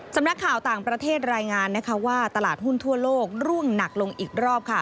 สำนักข่าวต่างประเทศรายงานนะคะว่าตลาดหุ้นทั่วโลกร่วงหนักลงอีกรอบค่ะ